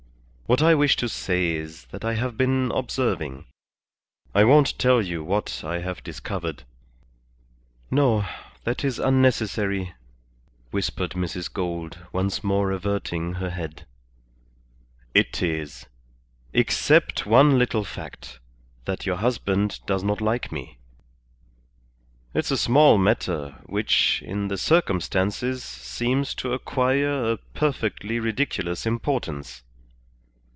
What I wish to say is that I have been observing. I won't tell you what I have discovered " "No. That is unnecessary," whispered Mrs. Gould, once more averting her head. "It is. Except one little fact, that your husband does not like me. It's a small matter, which, in the circumstances, seems to acquire a perfectly ridiculous importance.